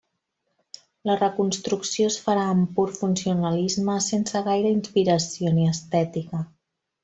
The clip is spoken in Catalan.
La reconstrucció es farà en pur funcionalisme sense gaire inspiració ni estètica.